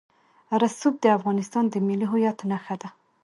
رسوب د افغانستان د ملي هویت نښه ده.